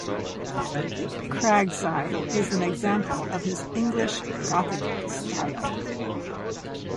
Cragside is an example of his English Gothic style.